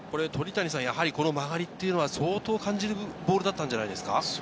この曲がりというのは相当感じるボールだったんじゃないですか？